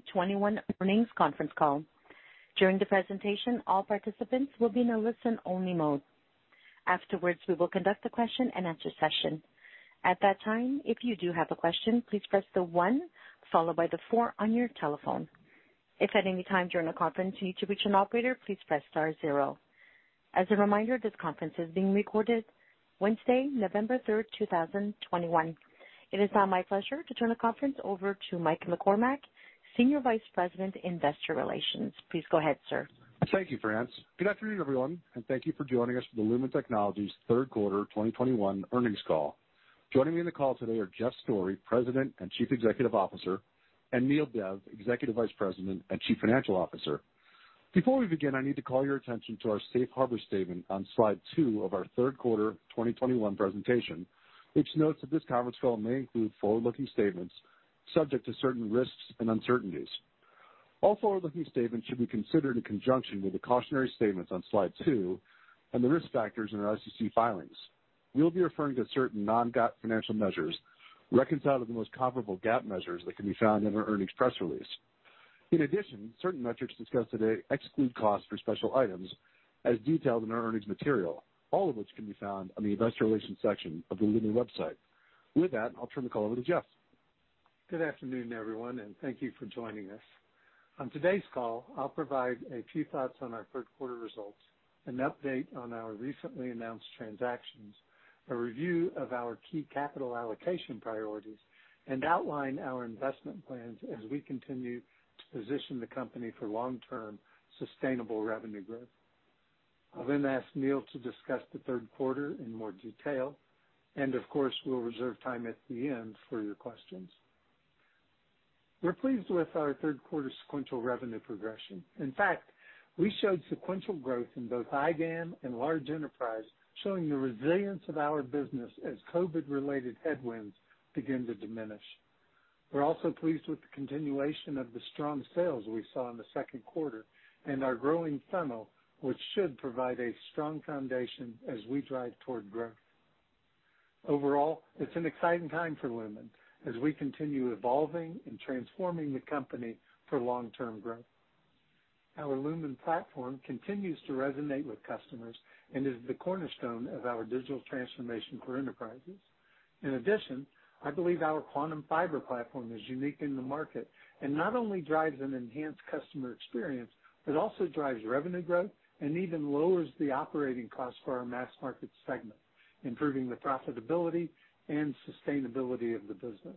Welcome to the 2021 earnings conference call. During the presentation, all participants will be in a listen-only mode. Afterwards, we will conduct a question-and-answer session. At that time, if you do have a question, please press the one followed by the four on your telephone. If at any time during the conference you need to reach an operator, please press star zero. As a reminder, this conference is being recorded. Wednesday, November 3rd, 2021. It is now my pleasure to turn the conference over to Mike McCormack, Senior Vice President, Investor Relations. Please go ahead, sir. Thank you, France. Good afternoon, everyone, and thank you for joining us for the Lumen Technologies third quarter 2021 earnings call. Joining me on the call today are Jeff Storey, President and Chief Executive Officer, and Neel Dev, Executive Vice President and Chief Financial Officer. Before we begin, I need to call your attention to our safe harbor statement on slide two of our third quarter 2021 presentation, which notes that this conference call may include forward-looking statements subject to certain risks and uncertainties. All forward-looking statements should be considered in conjunction with the cautionary statements on slide two and the risk factors in our SEC filings. We'll be referring to certain Non-GAAP financial measures reconciled with the most comparable GAAP measures that can be found in our earnings press release. In addition, certain metrics discussed today exclude costs for special items as detailed in our earnings material, all of which can be found on the investor relations section of the Lumen website. With that, I'll turn the call over to Jeff. Good afternoon, everyone, and thank you for joining us. On today's call, I'll provide a few thoughts on our third quarter results, an update on our recently announced transactions, a review of our key capital allocation priorities, and outline our investment plans as we continue to position the company for long-term sustainable revenue growth. I'll then ask Neel to discuss the third quarter in more detail and of course, we'll reserve time at the end for your questions. We're pleased with our third quarter sequential revenue progression. In fact, we showed sequential growth in both IGAM and large enterprise, showing the resilience of our business as COVID related headwinds begin to diminish. We're also pleased with the continuation of the strong sales we saw in the second quarter and our growing funnel, which should provide a strong foundation as we drive toward growth. Overall, it's an exciting time for Lumen as we continue evolving and transforming the company for long-term growth. Our Lumen platform continues to resonate with customers and is the cornerstone of our digital transformation for enterprises. In addition, I believe our Quantum Fiber platform is unique in the market and not only drives an enhanced customer experience, but also drives revenue growth and even lowers the operating costs for our mass market segment, improving the profitability and sustainability of the business.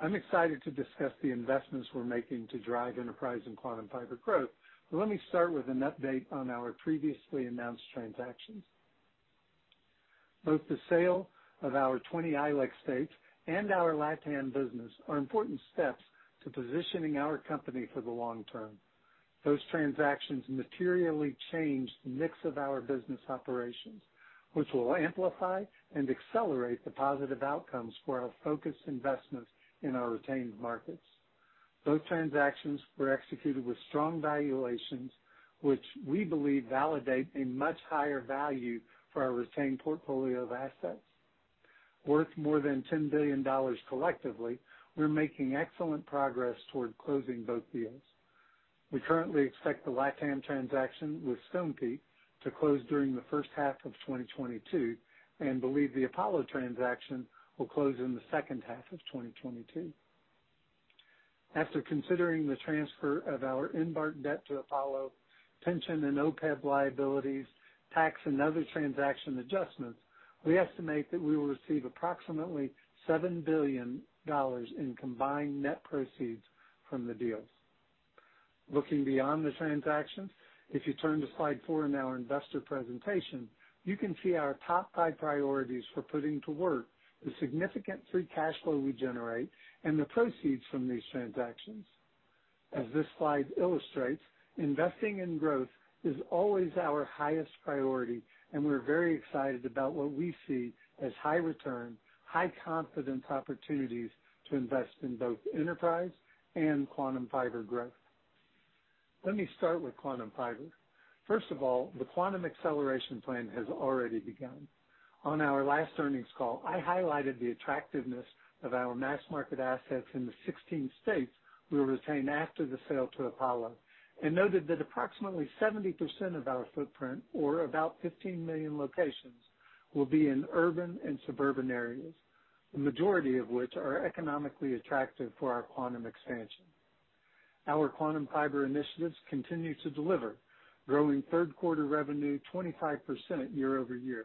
I'm excited to discuss the investments we're making to drive enterprise and Quantum Fiber growth. Let me start with an update on our previously announced transactions. Both the sale of our 20 ILEC states and our LatAm business are important steps to positioning our company for the long term. Those transactions materially change the mix of our business operations, which will amplify and accelerate the positive outcomes for our focused investments in our retained markets. Those transactions were executed with strong valuations, which we believe validate a much higher value for our retained portfolio of assets. Worth more than $10 billion collectively, we're making excellent progress toward closing both deals. We currently expect the LATAM transaction with Stonepeak to close during the first half of 2022, and believe the Apollo transaction will close in the second half of 2022. After considering the transfer of our incurred debt to Apollo, pension and OPEB liabilities, tax, and other transaction adjustments, we estimate that we will receive approximately $7 billion in combined net proceeds from the deals. Looking beyond the transactions, if you turn to slide four in our investor presentation, you can see our top five priorities for putting to work the significant free cash flow we generate and the proceeds from these transactions. As this slide illustrates, investing in growth is always our highest priority, and we're very excited about what we see as high return, high confidence opportunities to invest in both enterprise and Quantum Fiber growth. Let me start with Quantum Fiber. First of all, the Quantum acceleration plan has already begun. On our last earnings call, I highlighted the attractiveness of our mass market assets in the 16 states we retain after the sale to Apollo, and noted that approximately 70% of our footprint, or about 15 million locations, will be in urban and suburban areas, the majority of which are economically attractive for our Quantum expansion. Our Quantum Fiber initiatives continue to deliver, growing third quarter revenue 25% year over year.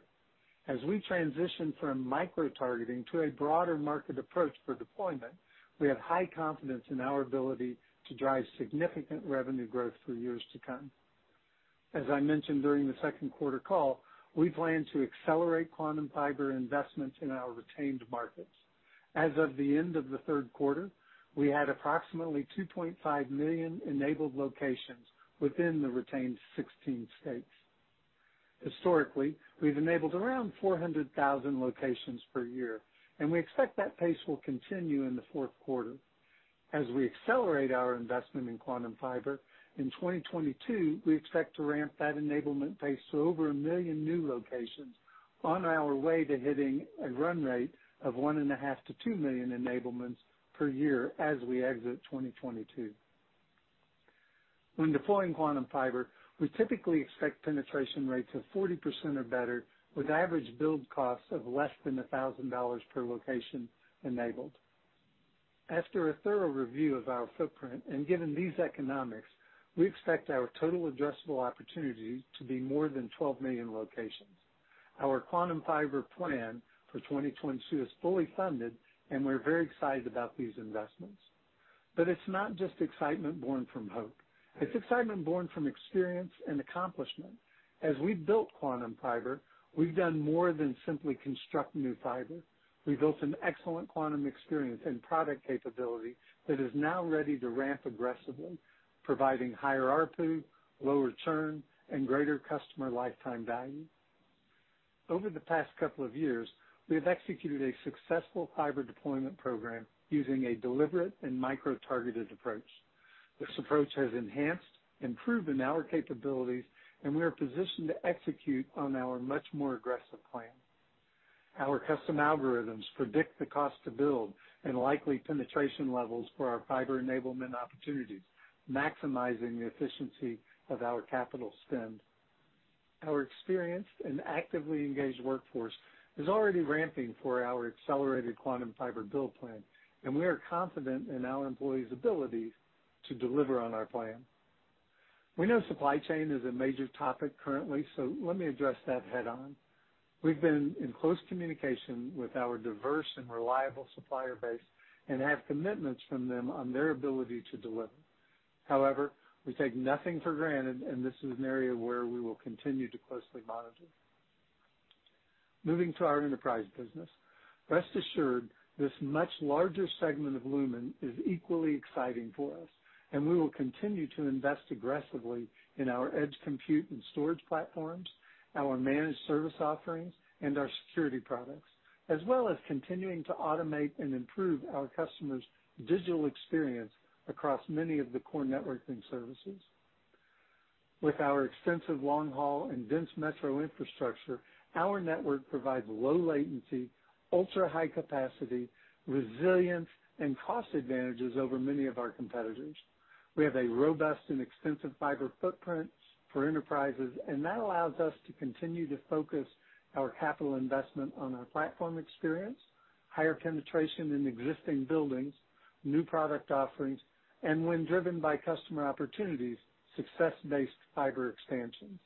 As we transition from micro-targeting to a broader market approach for deployment, we have high confidence in our ability to drive significant revenue growth for years to come. As I mentioned during the second quarter call, we plan to accelerate Quantum Fiber investments in our retained markets. As of the end of the third quarter, we had approximately 2.5 million enabled locations within the retained 16 states. Historically, we've enabled around 400,000 locations per year, and we expect that pace will continue in the fourth quarter. As we accelerate our investment in Quantum Fiber, in 2022, we expect to ramp that enablement pace to over one million new locations. On our way to hitting a run rate of 1.5 million enablements-2 million enablements per year as we exit 2022. When deploying Quantum Fiber, we typically expect penetration rates of 40% or better, with average build costs of less than $1,000 per location enabled. After a thorough review of our footprint and given these economics, we expect our total addressable opportunity to be more than 12 million locations. Our Quantum Fiber plan for 2022 is fully funded, and we're very excited about these investments. It's not just excitement born from hope. It's excitement born from experience and accomplishment. As we built Quantum Fiber, we've done more than simply construct new fiber. We built an excellent Quantum experience and product capability that is now ready to ramp aggressively, providing higher ARPU, lower churn, and greater customer lifetime value. Over the past couple of years, we have executed a successful fiber deployment program using a deliberate and micro-targeted approach. This approach has enhanced and improved our capabilities, and we are positioned to execute on our much more aggressive plan. Our custom algorithms predict the cost to build and likely penetration levels for our fiber enablement opportunities, maximizing the efficiency of our capital spend. Our experienced and actively engaged workforce is already ramping for our accelerated Quantum Fiber build plan, and we are confident in our employees' ability to deliver on our plan. We know supply chain is a major topic currently, so let me address that head-on. We've been in close communication with our diverse and reliable supplier base and have commitments from them on their ability to deliver. However, we take nothing for granted, and this is an area where we will continue to closely monitor. Moving to our enterprise business, rest assured, this much larger segment of Lumen is equally exciting for us, and we will continue to invest aggressively in our edge compute and storage platforms, our managed service offerings, and our security products, as well as continuing to automate and improve our customers' digital experience across many of the core networking services. With our extensive long-haul and dense metro infrastructure, our network provides low latency, ultra-high capacity, resilience, and cost advantages over many of our competitors. We have a robust and extensive fiber footprint for enterprises, and that allows us to continue to focus our capital investment on our platform experience, higher penetration in existing buildings, new product offerings, and when driven by customer opportunities, success-based fiber expansions.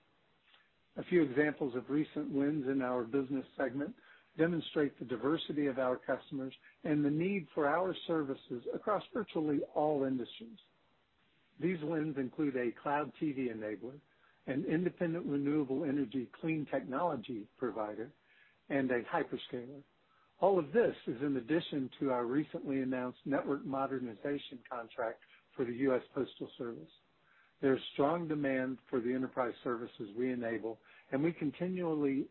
A few examples of recent wins in our business segment demonstrate the diversity of our customers and the need for our services across virtually all industries. These wins include a cloud TV enabler, an independent renewable energy clean technology provider, and a hyperscaler. All of this is in addition to our recently announced network modernization contract for the U.S. Postal Service. There's strong demand for the enterprise services we enable, and we continually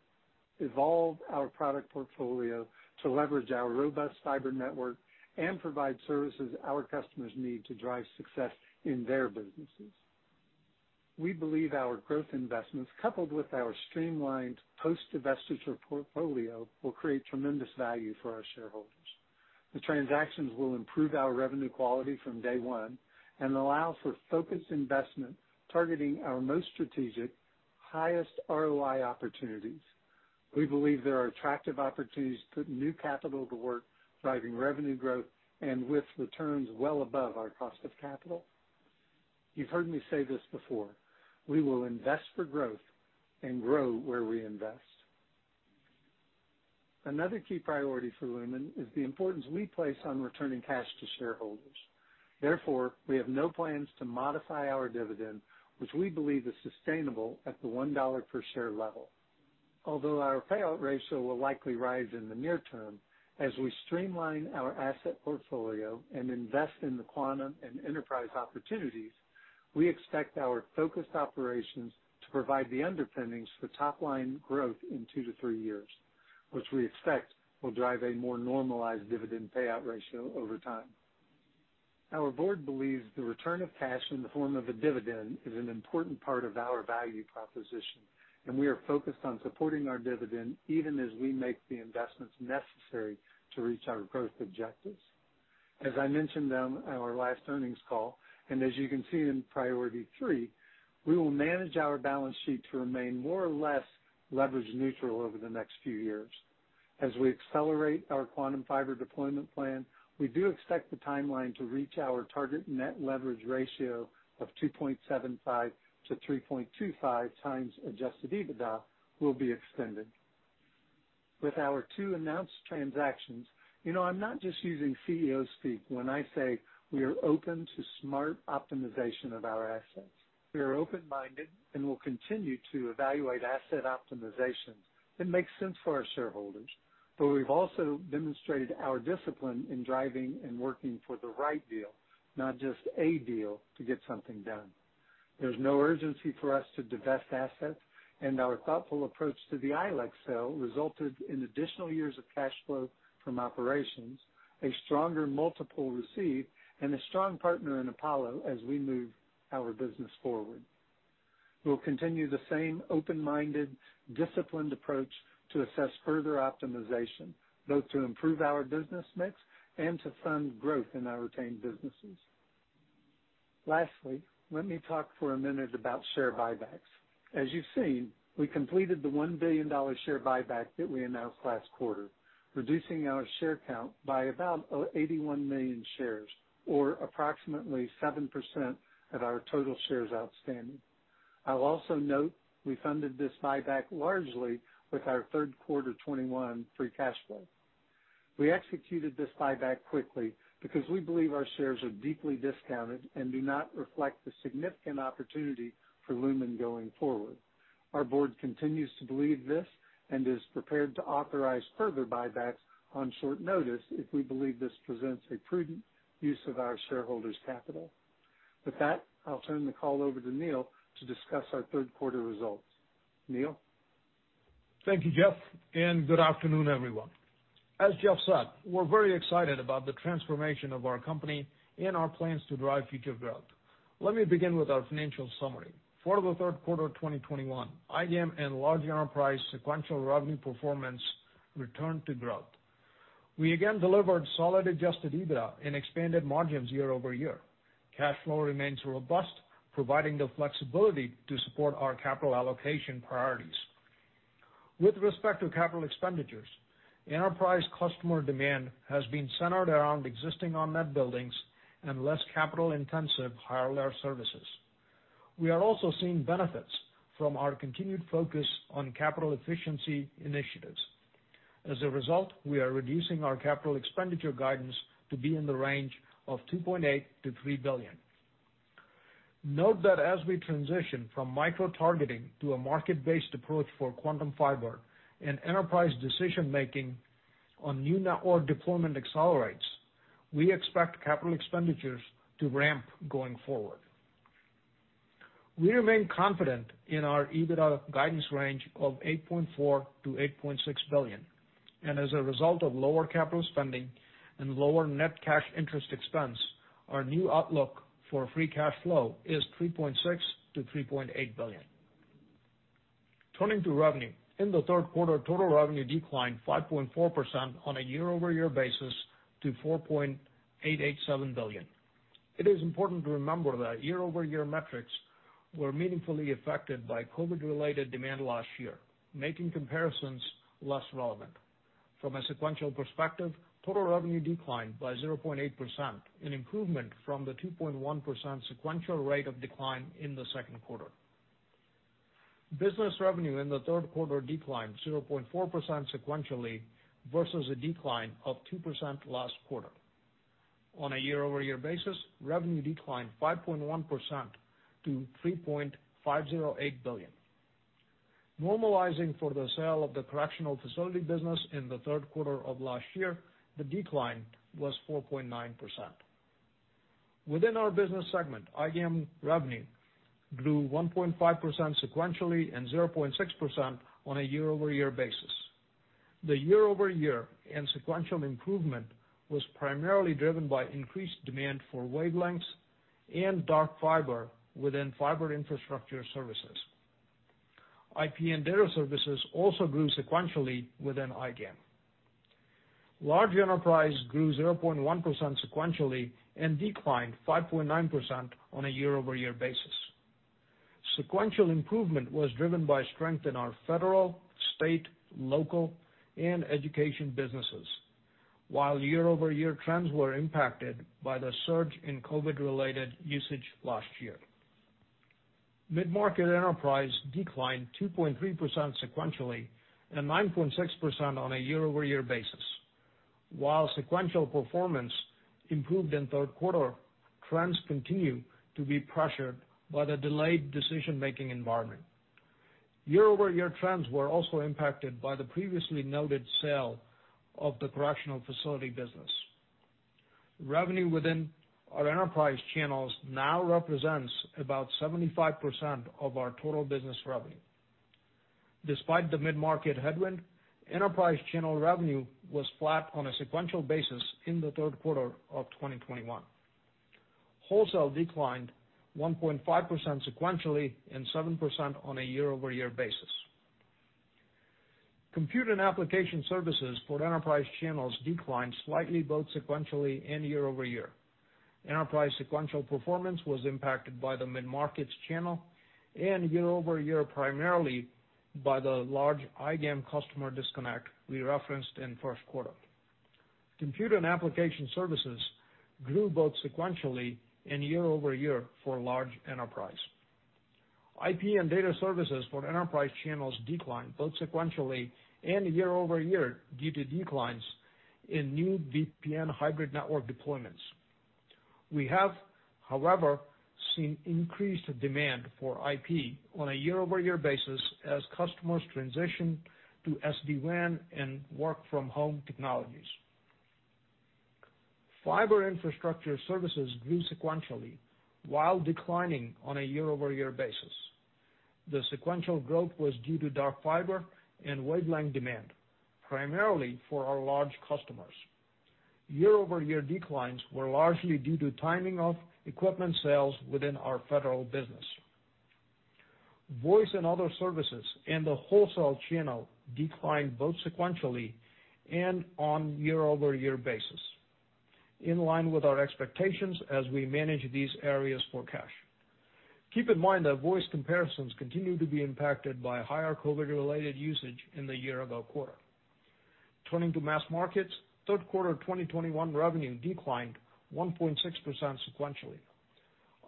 evolve our product portfolio to leverage our robust fiber network and provide services our customers need to drive success in their businesses. We believe our growth investments, coupled with our streamlined post-divestiture portfolio, will create tremendous value for our shareholders. The transactions will improve our revenue quality from day one and allow for focused investment targeting our most strategic, highest ROI opportunities. We believe there are attractive opportunities to put new capital to work, driving revenue growth and with returns well above our cost of capital. You've heard me say this before, we will invest for growth and grow where we invest. Another key priority for Lumen is the importance we place on returning cash to shareholders. Therefore, we have no plans to modify our dividend, which we believe is sustainable at the $1 per share level. Although our payout ratio will likely rise in the near term, as we streamline our asset portfolio and invest in the Quantum and enterprise opportunities, we expect our focused operations to provide the underpinnings for top-line growth in two to three years, which we expect will drive a more normalized dividend payout ratio over time. Our board believes the return of cash in the form of a dividend is an important part of our value proposition, and we are focused on supporting our dividend even as we make the investments necessary to reach our growth objectives. As I mentioned on our last earnings call, and as you can see in priority three, we will manage our balance sheet to remain more or less leverage neutral over the next few years. As we accelerate our Quantum Fiber deployment plan, we do expect the timeline to reach our target net leverage ratio of 2.75x-3.25x adjusted EBITDA will be extended. With our two announced transactions, you know, I'm not just using Chief Executive Officer speak when I say we are open to smart optimization of our assets. We are open-minded and will continue to evaluate asset optimizations that make sense for our shareholders, but we've also demonstrated our discipline in driving and working for the right deal, not just a deal to get something done. There's no urgency for us to divest assets, and our thoughtful approach to the ILEC sale resulted in additional years of cash flow from operations, a stronger multiple received, and a strong partner in Apollo as we move our business forward. We'll continue the same open-minded, disciplined approach to assess further optimization, both to improve our business mix and to fund growth in our retained businesses. Lastly, let me talk for a minute about share buybacks. As you've seen, we completed the $1 billion share buyback that we announced last quarter, reducing our share count by about 81 million shares or approximately 7% of our total shares outstanding. I'll also note we funded this buyback largely with our third quarter 2021 free cash flow. We executed this buyback quickly because we believe our shares are deeply discounted and do not reflect the significant opportunity for Lumen going forward. Our board continues to believe this and is prepared to authorize further buybacks on short notice if we believe this presents a prudent use of our shareholders' capital. With that, I'll turn the call over to Neel to discuss our third quarter results. Neel? Thank you, Jeff, and good afternoon, everyone. As Jeff said, we're very excited about the transformation of our company and our plans to drive future growth. Let me begin with our financial summary. For the third quarter of 2021, IGAM and large enterprise sequential revenue performance returned to growth. We again delivered solid adjusted EBITDA and expanded margins year-over-year. Cash flow remains robust, providing the flexibility to support our capital allocation priorities. With respect to capital expenditures, enterprise customer demand has been centered around existing on-net buildings and less capital-intensive higher layer services. We are also seeing benefits from our continued focus on capital efficiency initiatives. As a result, we are reducing our capital expenditure guidance to be in the range of $2.8 billion-$3 billion. Note that as we transition from micro-targeting to a market-based approach for Quantum Fiber and enterprise decision-making on new network deployment accelerates, we expect capital expenditures to ramp going forward. We remain confident in our EBITDA guidance range of $8.4 billion-$8.6 billion. As a result of lower capital spending and lower net cash interest expense, our new outlook for free cash flow is $3.6 billion-$3.8 billion. Turning to revenue. In the third quarter, total revenue declined 5.4% on a year-over-year basis to $4.887 billion. It is important to remember that year-over-year metrics were meaningfully affected by COVID-related demand last year, making comparisons less relevant. From a sequential perspective, total revenue declined by 0.8%, an improvement from the 2.1% sequential rate of decline in the second quarter. Business revenue in the third quarter declined 0.4% sequentially versus a decline of 2% last quarter. On a year-over-year basis, revenue declined 5.1% to $3.508 billion. Normalizing for the sale of the correctional facility business in the third quarter of last year, the decline was 4.9%. Within our business segment, IGAM revenue grew 1.5% sequentially and 0.6% on a year-over-year basis. The year-over-year and sequential improvement was primarily driven by increased demand for wavelengths and dark fiber within fiber infrastructure services. IP and data services also grew sequentially within IGAM. Large enterprise grew 0.1% sequentially and declined 5.9% on a year-over-year basis. Sequential improvement was driven by strength in our federal, state, local, and education businesses, while year-over-year trends were impacted by the surge in COVID-related usage last year. Mid-market enterprise declined 2.3% sequentially and 9.6% on a year-over-year basis. Sequential performance improved in third quarter, trends continue to be pressured by the delayed decision-making environment. Year-over-year trends were also impacted by the previously noted sale of the correctional facility business. Revenue within our enterprise channels now represents about 75% of our total business revenue. Despite the mid-market headwind, enterprise channel revenue was flat on a sequential basis in the third quarter of 2021. Wholesale declined 1.5% sequentially and 7% on a year-over-year basis. Computer and application services for enterprise channels declined slightly, both sequentially and year over year. Enterprise sequential performance was impacted by the mid-markets channel and year-over-year, primarily by the large IGAM customer disconnect we referenced in first quarter. Computer and application services grew both sequentially and year-over-year for large enterprise. IP and data services for enterprise channels declined both sequentially and year-over-year due to declines in new VPN hybrid network deployments. We have, however, seen increased demand for IP on a year-over-year basis as customers transition to SD-WAN and work from home technologies. Fiber infrastructure services grew sequentially while declining on a year-over-year basis. The sequential growth was due to dark fiber and wavelength demand, primarily for our large customers. Year-over-year declines were largely due to timing of equipment sales within our federal business. Voice and other services in the wholesale channel declined both sequentially and on year-over-year basis, in line with our expectations as we manage these areas for cash. Keep in mind that voice comparisons continue to be impacted by higher COVID-related usage in the year-ago quarter. Turning to mass markets, third quarter of 2021 revenue declined 1.6% sequentially.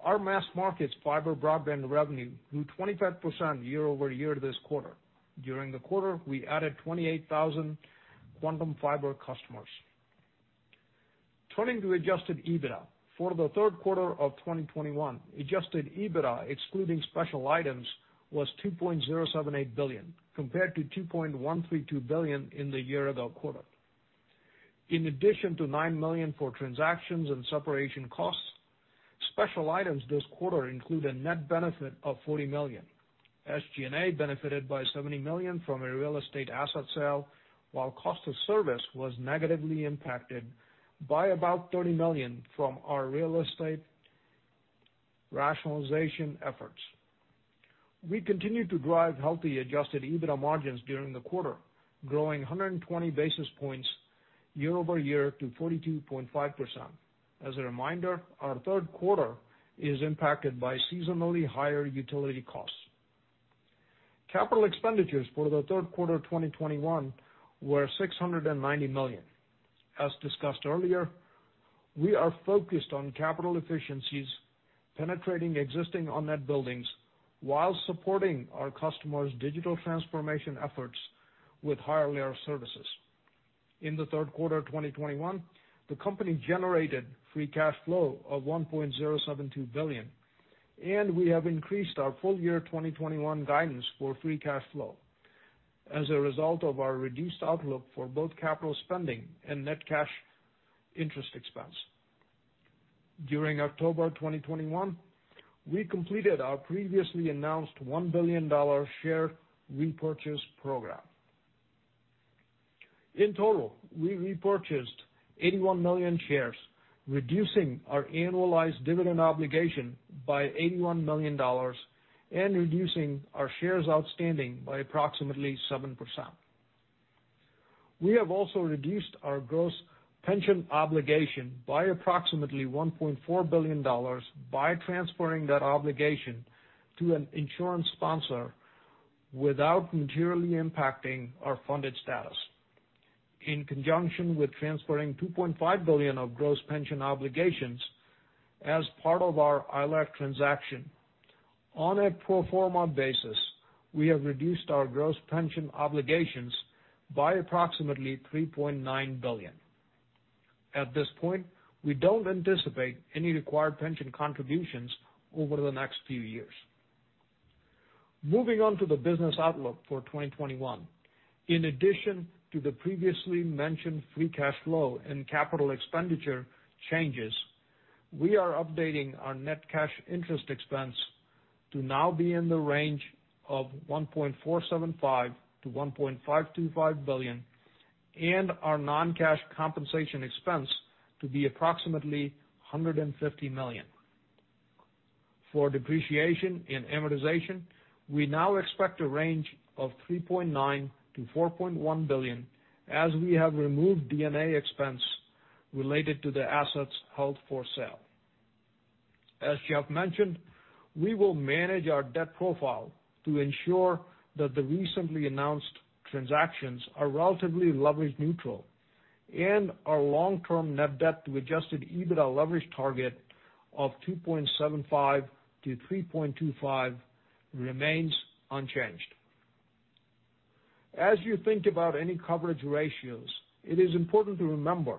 Our mass markets fiber broadband revenue grew 25% year-over-year this quarter. During the quarter, we added 28,000 Quantum Fiber customers. Turning to adjusted EBITDA for the third quarter of 2021, adjusted EBITDA excluding special items was $2.078 billion, compared to $2.132 billion in the year-ago quarter. In addition to $9 million for transactions and separation costs, special items this quarter include a net benefit of $40 million. SG&A benefited by $70 million from a real estate asset sale, while cost of service was negatively impacted by about $30 million from our real estate rationalization efforts. We continued to drive healthy adjusted EBITDA margins during the quarter, growing 120 basis points year-over-year to 42.5%. As a reminder, our third quarter is impacted by seasonally higher utility costs. Capital expenditures for the third quarter of 2021 were $690 million. As discussed earlier, we are focused on capital efficiencies, penetrating existing on-net buildings while supporting our customers' digital transformation efforts with higher-layer services. In the third quarter of 2021, the company generated free cash flow of $1.072 billion, and we have increased our full year 2021 guidance for free cash flow as a result of our reduced outlook for both capital spending and net cash interest expense. During October 2021, we completed our previously announced $1 billion share repurchase program. In total, we repurchased 81 million shares, reducing our annualized dividend obligation by $81 million and reducing our shares outstanding by approximately 7%. We have also reduced our gross pension obligation by approximately $1.4 billion by transferring that obligation to an insurance sponsor without materially impacting our funded status. In conjunction with transferring $2.5 billion of gross pension obligations as part of our ILEC transaction, on a pro forma basis, we have reduced our gross pension obligations by approximately $3.9 billion. At this point, we don't anticipate any required pension contributions over the next few years. Moving on to the business outlook for 2021. In addition to the previously mentioned free cash flow and capital expenditure changes, we are updating our net cash interest expense to now be in the range of $1.475 billion-$1.525 billion and our non-cash compensation expense to be approximately $150 million. For depreciation and amortization, we now expect a range of $3.9 billion-$4.1 billion as we have removed D&A expense related to the assets held for sale. As Jeff mentioned, we will manage our debt profile to ensure that the recently announced transactions are relatively leverage neutral and our long-term net debt to adjusted EBITDA leverage target of 2.75x-3.25x remains unchanged. As you think about any coverage ratios, it is important to remember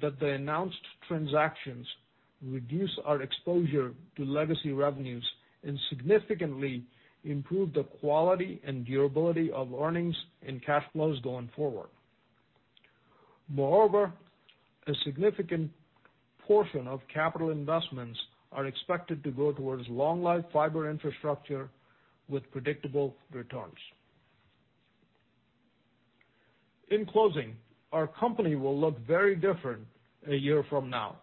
that the announced transactions reduce our exposure to legacy revenues and significantly improve the quality and durability of earnings and cash flows going forward. Moreover, a significant portion of capital investments are expected to go towards long-life fiber infrastructure with predictable returns. In closing, our company will look very different a year from now.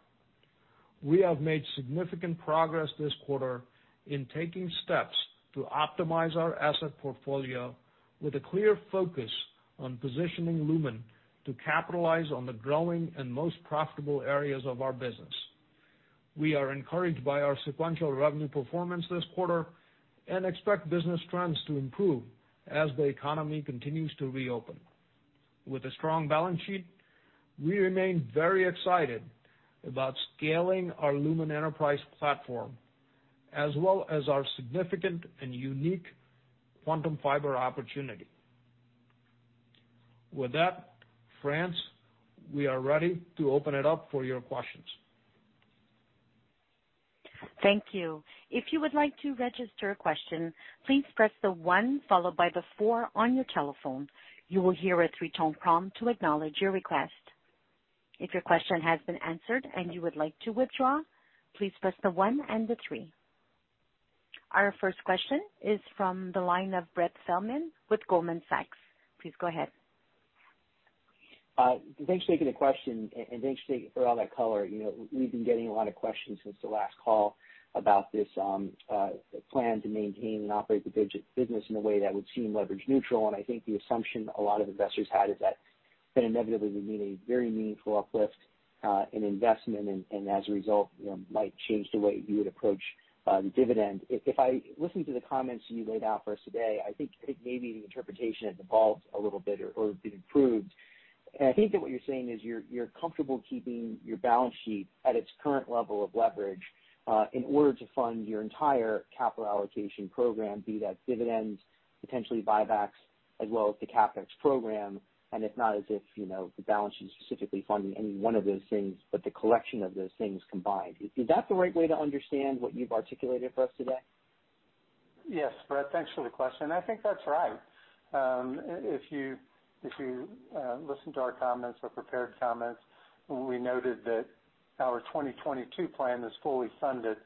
We have made significant progress this quarter in taking steps to optimize our asset portfolio with a clear focus on positioning Lumen to capitalize on the growing and most profitable areas of our business. We are encouraged by our sequential revenue performance this quarter and expect business trends to improve as the economy continues to reopen. With a strong balance sheet, we remain very excited about scaling our Lumen enterprise platform, as well as our significant and unique Quantum Fiber opportunity. With that, France, we are ready to open it up for your questions. Thank you. If you would like to register a question, please press the one followed by the four on your telephone. You will hear a three-tone prompt to acknowledge your request. If your question has been answered and you would like to withdraw, please press the one and the three. Our first question is from the line of Brett Feldman with Goldman Sachs. Please go ahead. Thanks for taking the question and thanks for all that color. You know, we've been getting a lot of questions since the last call about this plan to maintain and operate the business in a way that would seem leverage neutral. I think the assumption a lot of investors had is that that inevitably would mean a very meaningful uplift in investment and as a result, you know, might change the way you would approach the dividend. If I listen to the comments you laid out for us today, I think maybe the interpretation has evolved a little bit or been improved. I think that what you're saying is you're comfortable keeping your balance sheet at its current level of leverage, in order to fund your entire capital allocation program, be that dividends, potentially buybacks, as well as the CapEx program. It's not as if, you know, the balance sheet is specifically funding any one of those things, but the collection of those things combined. Is that the right way to understand what you've articulated for us today? Yes, Brett, thanks for the question. I think that's right. If you listen to our comments or prepared comments, we noted that our 2022 plan is fully funded.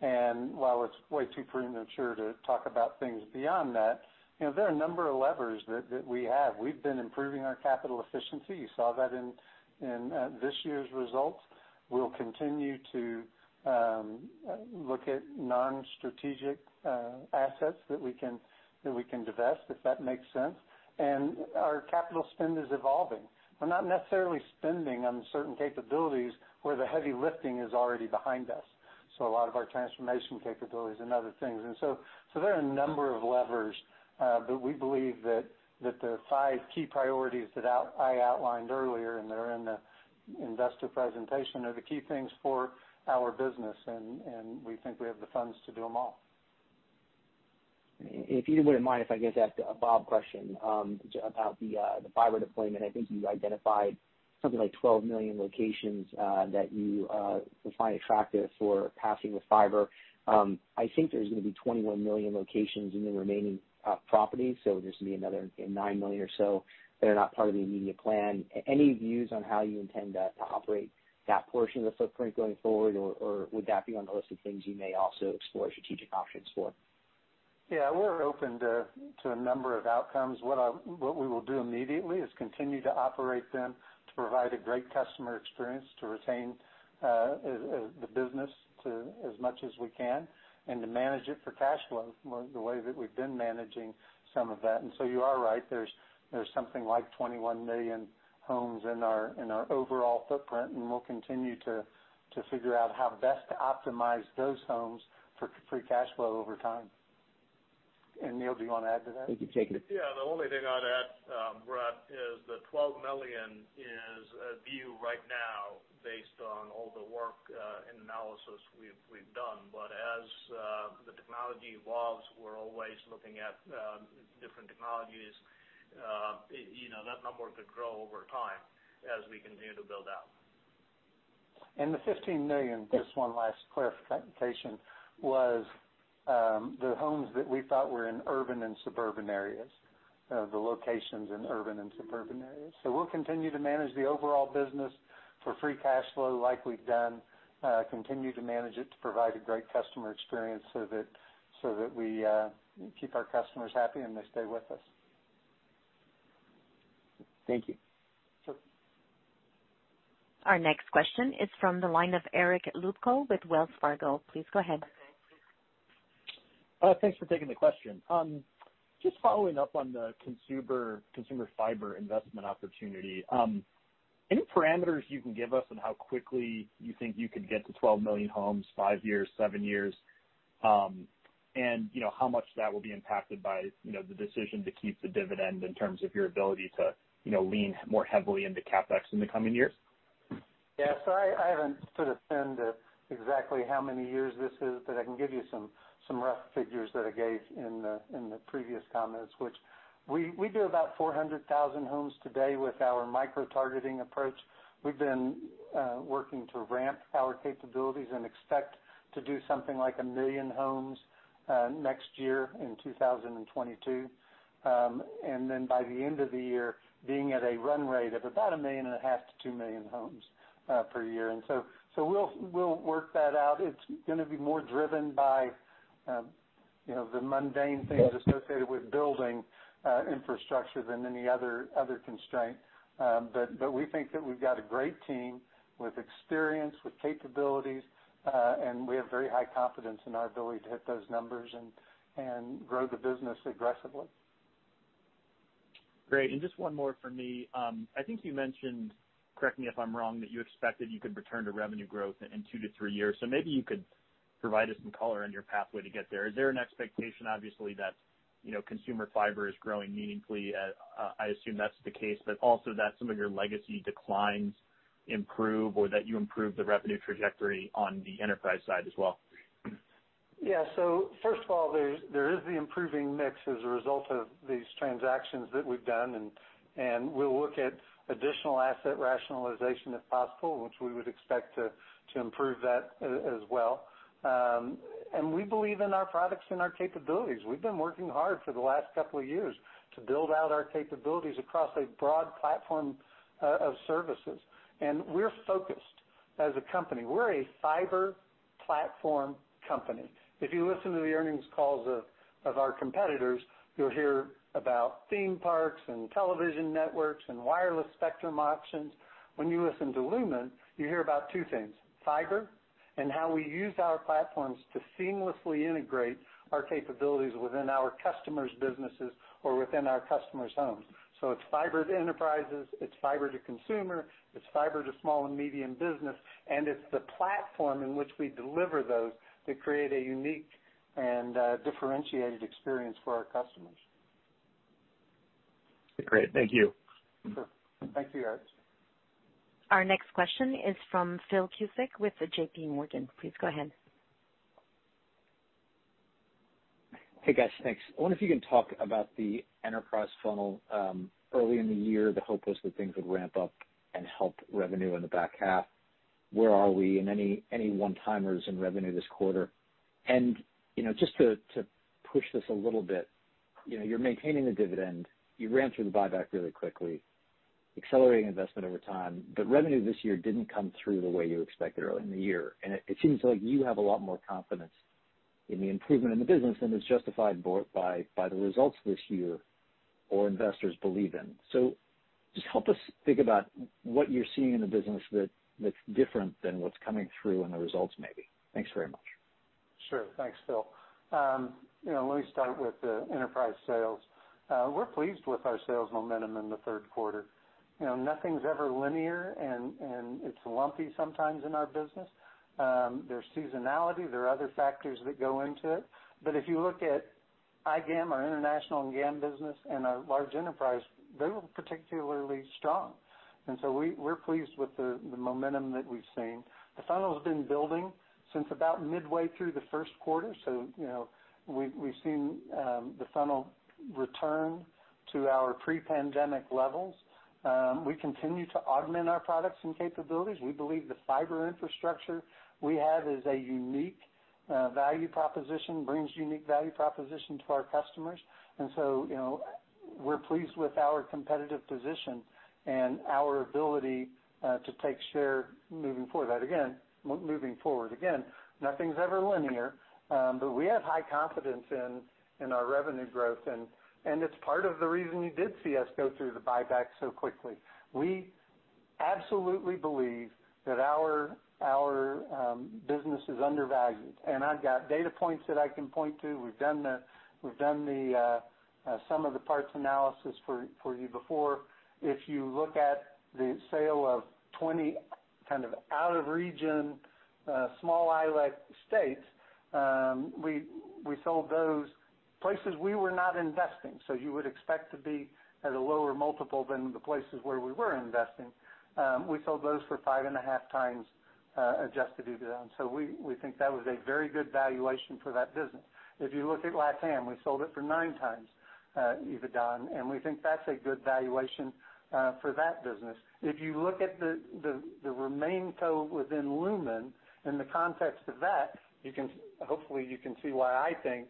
While it's way too premature to talk about things beyond that, you know, there are a number of levers that we have. We've been improving our capital efficiency. You saw that in this year's results. We'll continue to look at non-strategic assets that we can divest, if that makes sense. Our capital spend is evolving. We're not necessarily spending on certain capabilities where the heavy lifting is already behind us, a lot of our transformation capabilities and other things. There are a number of levers, but we believe that the five key priorities that I outlined earlier, and they're in the investor presentation, are the key things for our business, and we think we have the funds to do them all. If you wouldn't mind, if I could just ask a Bob question about the fiber deployment. I think you identified something like 12 million locations that you would find attractive for passing with fiber. I think there's gonna be 21 million locations in the remaining properties, so there's gonna be another nine million locations or so that are not part of the immediate plan. Any views on how you intend to operate that portion of the footprint going forward, or would that be on the list of things you may also explore strategic options for? Yeah, we're open to a number of outcomes. What we will do immediately is continue to operate them to provide a great customer experience, to retain the business to as much as we can and to manage it for cash flow, the way that we've been managing some of that. So you are right, there's something like 21 million homes in our overall footprint, and we'll continue to figure out how best to optimize those homes for free cash flow over time. Neel, do you wanna add to that? Thank you. Take it. Yeah. The only thing I'd add, Brett, is the $12 million is a view right now based on all the work and analysis we've done. As the technology evolves, we're always looking at different technologies. You know, that number could grow over time as we continue to build out. The 15 million, just one last clarification, was the homes that we thought were in urban and suburban areas, the locations in urban and suburban areas. We'll continue to manage the overall business for free cash flow like we've done, continue to manage it to provide a great customer experience so that we keep our customers happy and they stay with us. Thank you. Sure. Our next question is from the line of Eric Luebchow with Wells Fargo. Please go ahead. Thanks for taking the question. Just following up on the consumer fiber investment opportunity. Any parameters you can give us on how quickly you think you could get to 12 million homes, 5 years, 7 years? You know, how much that will be impacted by, you know, the decision to keep the dividend in terms of your ability to, you know, lean more heavily into CapEx in the coming years? Yeah. I haven't sort of pinned exactly how many years this is, but I can give you some rough figures that I gave in the previous comments, which we do about 400,000 homes today with our micro-targeting approach. We've been working to ramp our capabilities and expect to do something like 1 million homes next year in 2022. Then by the end of the year, being at a run rate of about 1.5 million homes-2 million homes per year. We'll work that out. It's gonna be more driven by you know, the mundane things associated with building infrastructure than any other constraint. We think that we've got a great team with experience, with capabilities, and we have very high confidence in our ability to hit those numbers and grow the business aggressively. Great. Just one more for me. I think you mentioned, correct me if I'm wrong, that you expected you could return to revenue growth in two to three years. Maybe you could provide us some color on your pathway to get there. Is there an expectation, obviously, that, you know, consumer fiber is growing meaningfully? I assume that's the case, but also that some of your legacy declines improve or that you improve the revenue trajectory on the enterprise side as well. First of all, there is the improving mix as a result of these transactions that we've done, and we'll look at additional asset rationalization, if possible, which we would expect to improve that as well. We believe in our products and our capabilities. We've been working hard for the last couple of years to build out our capabilities across a broad platform of services. We're focused. As a company, we're a fiber platform company. If you listen to the earnings calls of our competitors, you'll hear about theme parks and television networks and wireless spectrum auctions. When you listen to Lumen, you hear about two things, fiber and how we use our platforms to seamlessly integrate our capabilities within our customers' businesses or within our customers' homes. It's fiber to enterprises, it's fiber to consumer, it's fiber to small and medium business, and it's the platform in which we deliver those to create a unique and differentiated experience for our customers. Great. Thank you. Sure. Thanks for yours. Our next question is from Phil Cusick with JPMorgan. Please go ahead. Hey, guys, thanks. I wonder if you can talk about the enterprise funnel early in the year. The hope was that things would ramp up and help revenue in the back half. Where are we and any one-timers in revenue this quarter? You know, just to push this a little bit, you know, you're maintaining the dividend. You ran through the buyback really quickly, accelerating investment over time, but revenue this year didn't come through the way you expected early in the year. It seems like you have a lot more confidence in the improvement in the business than is justified by the results this year or investors believe in. Just help us think about what you're seeing in the business that's different than what's coming through in the results maybe. Thanks very much. Sure. Thanks, Phil. You know, let me start with the enterprise sales. We're pleased with our sales momentum in the third quarter. You know, nothing's ever linear and it's lumpy sometimes in our business. There's seasonality. There are other factors that go into it. If you look at IGAM, our international and GAM business and our large enterprise, they were particularly strong. We're pleased with the momentum that we've seen. The funnel's been building since about midway through the first quarter. You know, we've seen the funnel return to our pre-pandemic levels. We continue to augment our products and capabilities. We believe the fiber infrastructure we have is a unique value proposition to our customers. You know, we're pleased with our competitive position and our ability to take share moving forward. That again moving forward. Again, nothing's ever linear, but we have high confidence in our revenue growth, and it's part of the reason you did see us go through the buyback so quickly. We absolutely believe that our business is undervalued, and I've got data points that I can point to. We've done the some of the parts analysis for you before. If you look at the sale of 20 kind of out of region small ILEC states, we sold those places we were not investing. You would expect to be at a lower multiple than the places where we were investing. We sold those for 5.5x adjusted EBITDA. We think that was a very good valuation for that business. If you look at LatAm, we sold it for 9x EBITDA, and we think that's a good valuation for that business. If you look at the remaining debt within Lumen in the context of that, you can hopefully see why I think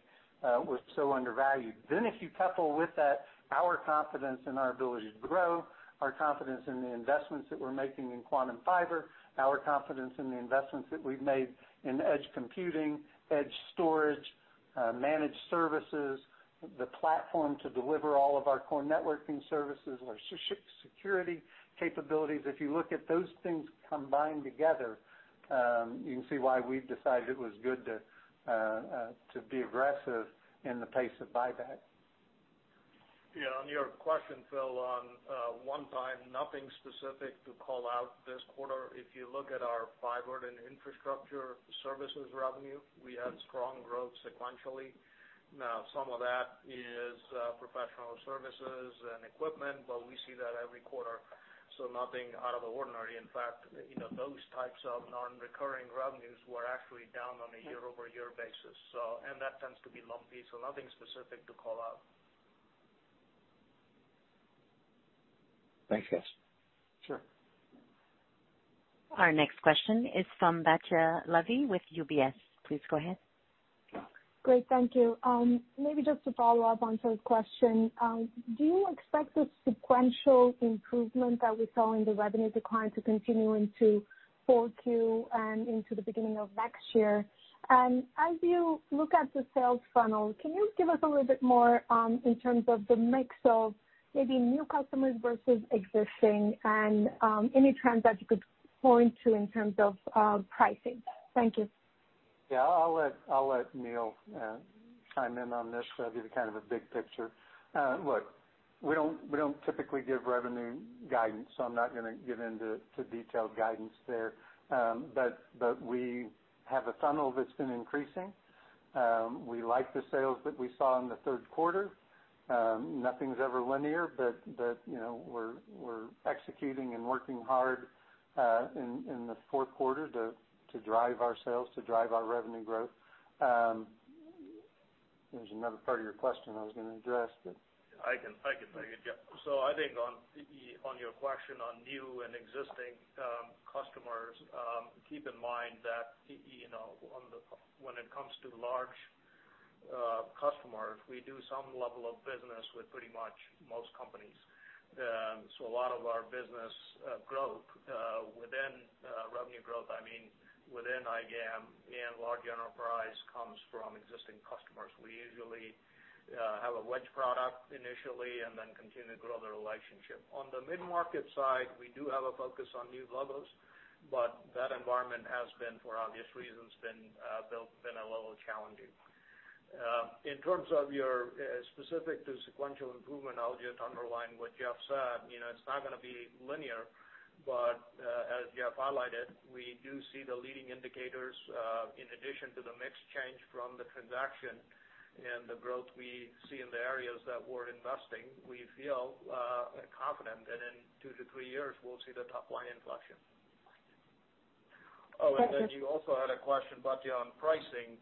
we're so undervalued. If you couple with that our confidence in our ability to grow, our confidence in the investments that we're making in Quantum Fiber, our confidence in the investments that we've made in edge computing, edge storage, managed services, the platform to deliver all of our core networking services, our security capabilities. If you look at those things combined together, you can see why we've decided it was good to be aggressive in the pace of buyback. Yeah, on your question, Phil, on one-time, nothing specific to call out this quarter. If you look at our fiber and infrastructure services revenue, we had strong growth sequentially. Now, some of that is professional services and equipment, but we see that every quarter, so nothing out of the ordinary. In fact, you know, those types of non-recurring revenues were actually down on a year-over-year basis. That tends to be lumpy, so nothing specific to call out. Thanks, guys. Sure. Our next question is from Batya Levi with UBS. Please go ahead. Great. Thank you. Maybe just to follow up on Phil's question, do you expect the sequential improvement that we saw in the revenue decline to continue into 4Q and into the beginning of next year? As you look at the sales funnel, can you give us a little bit more, in terms of the mix of maybe new customers versus existing and, any trends that you could point to in terms of, pricing? Thank you. Yeah. I'll let Neel chime in on this. I'll give you kind of a big picture. Look, we don't typically give revenue guidance, so I'm not gonna get into detailed guidance there. But we have a funnel that's been increasing. We like the sales that we saw in the third quarter. Nothing's ever linear, but you know, we're executing and working hard in the fourth quarter to drive our sales, to drive our revenue growth. There's another part of your question I was gonna address, but. I can, yeah. I think on your question on new and existing customers, keep in mind that, you know, when it comes to large customers, we do some level of business with pretty much most companies. A lot of our business growth within revenue growth, I mean, within IGAM and large enterprise comes from existing customers. We usually have a wedge product initially and then continue to grow the relationship. On the mid-market side, we do have a focus on new logos, but that environment has been, for obvious reasons, a bit challenging. In terms of your specific to sequential improvement, I'll just underline what Jeff said. You know, it's not gonna be linear, but as Jeff highlighted, we do see the leading indicators in addition to the mix change from the transaction and the growth we see in the areas that we're investing. We feel confident that in two to three years, we'll see the top line inflection. Thank you. Oh, you also had a question, Batya, on pricing.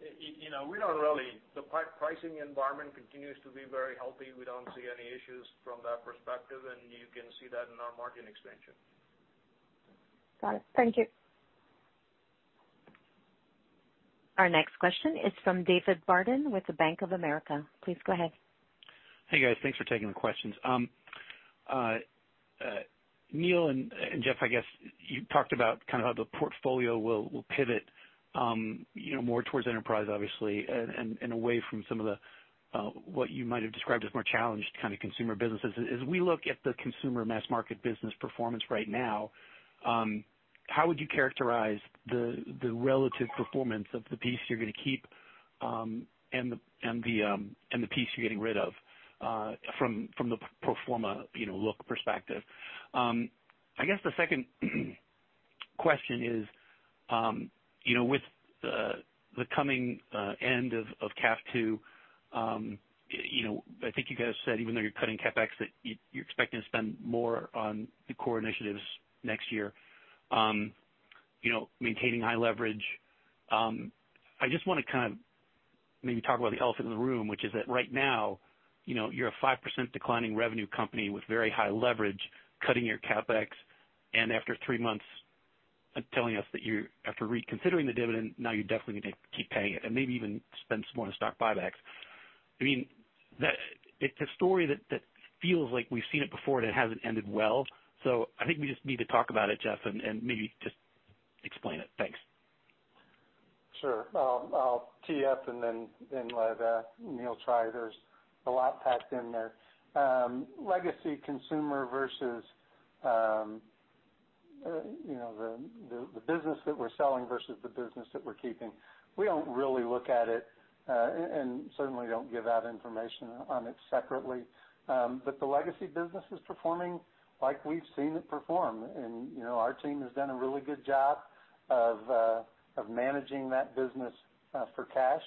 You know, the pricing environment continues to be very healthy. We don't see any issues from that perspective, and you can see that in our margin expansion. Got it. Thank you. Our next question is from David Barden with the Bank of America. Please go ahead. Hey, guys. Thanks for taking the questions. Neel and Jeff, I guess you talked about kind of how the portfolio will pivot, you know, more towards enterprise obviously, and away from some of the what you might have described as more challenged kind of consumer businesses. As we look at the consumer mass market business performance right now, how would you characterize the relative performance of the piece you're gonna keep, and the piece you're getting rid of, from the pro forma, you know, look perspective? I guess the second question is, you know, with the coming end of CAF II, you know, I think you guys said even though you're cutting CapEx that you're expecting to spend more on the core initiatives next year, you know, maintaining high leverage. I just wanna kind of maybe talk about the elephant in the room, which is that right now, you know, you're a 5% declining revenue company with very high leverage cutting your CapEx, and after three months telling us that you're after reconsidering the dividend, now you're definitely gonna keep paying it and maybe even spend some more on stock buybacks. I mean, that it's a story that feels like we've seen it before, and it hasn't ended well. I think we just need to talk about it, Jeff, and maybe just explain it. Thanks. Sure. I'll tee up and then let Neel try. There's a lot packed in there. Legacy consumer versus you know the business that we're selling versus the business that we're keeping, we don't really look at it and certainly don't give out information on it separately. The legacy business is performing like we've seen it perform. You know, our team has done a really good job of managing that business for cash.